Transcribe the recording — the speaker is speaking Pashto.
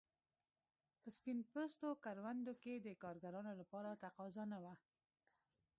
په سپین پوستو کروندو کې د کارګرانو لپاره تقاضا نه وه.